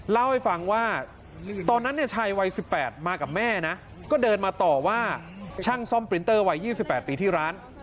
เล่าให้ฟังว่าตอนนั้นเนี่ยชายวัย๑๘มากับแม่นะก็เดินมาต่อว่าช่างซ่อมปรินเตอร์วัย๒๘ปีที่ร้าน